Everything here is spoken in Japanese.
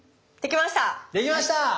できました。